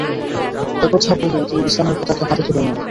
একথা বলেই তিনি ইসলামের পতাকা হাতে তুলে নেন।